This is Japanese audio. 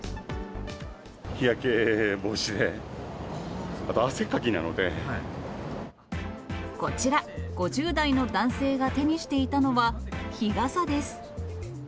日焼け防止で、あと汗っかきこちら、５０代の男性が手にしていたのは日傘です。